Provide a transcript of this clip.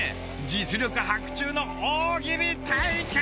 実力伯仲の大喜利対決。